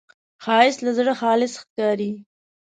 ښایست له زړه خالص ښکاري